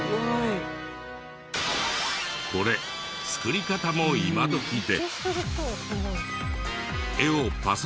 これ作り方も今どきで。